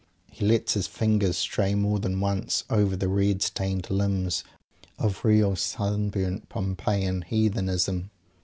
He lets his fingers stray more than once over the red stained limbs of real sun burnt "Pompeian" heathenism.